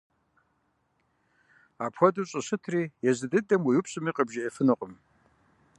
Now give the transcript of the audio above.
Апхуэдэу щӀыщытри езы дыдэм уеупщӀми къыбжиӀэфынукъым.